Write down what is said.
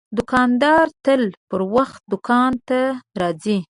دوکاندار تل پر وخت دوکان ته راځي.